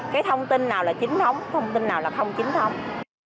cái thông tin nào là chính thống thông tin nào là không chính thống